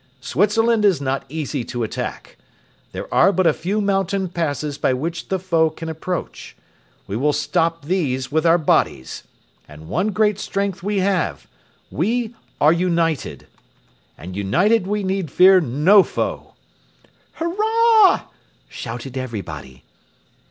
Switzerland is not easy to attack. There are but a few mountain passes by which the foe can approach. We will stop these with our bodies. And one great strength we have: we are united. And united we need fear no foe." "Hurrah!" shouted everybody.